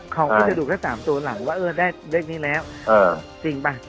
เขาก็จะดูแค่๓ตัวหลังว่าเออได้เลขนี้แล้วจริงป่ะ